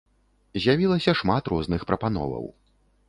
З'явілася шмат розных прапановаў.